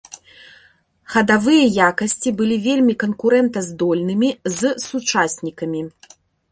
Хадавыя якасці былі вельмі канкурэнтаздольнымі з сучаснікамі.